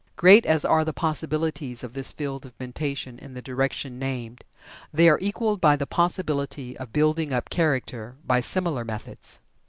Great as are the possibilities of this field of mentation in the direction named, they are equaled by the possibilities of building up character by similar methods.